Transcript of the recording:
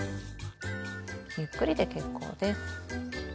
ゆっくりで結構です。